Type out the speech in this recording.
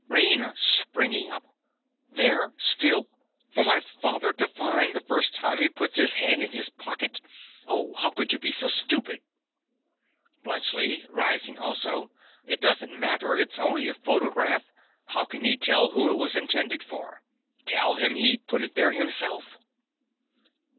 RAINA. (springing up). There still!—for my father to find the first time he puts his hand in his pocket! Oh, how could you be so stupid? BLUNTSCHLI. (rising also). It doesn't matter: it's only a photograph: how can he tell who it was intended for? Tell him he put it there himself.